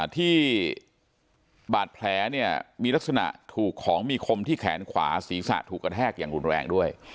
ที่บาดแผลเนี่ยมีลักษณะถูกของมีคมที่แขนขวาศีรษะถูกกระแทกอย่างรุนแรงด้วย